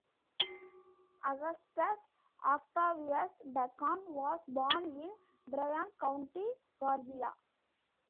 Augustus Octavius Bacon was born in Bryan County, Georgia.